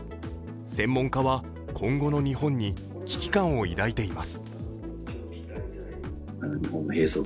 専門家は今後の日本に危機感を抱いています。